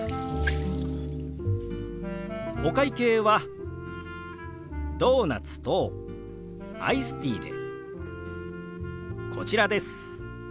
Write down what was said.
お会計はドーナツとアイスティーでこちらです。